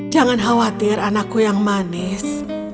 jangan khawatir anakku yang manis